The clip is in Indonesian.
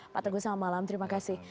pak teguh selamat malam terima kasih